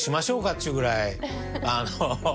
っちゅうぐらいあの。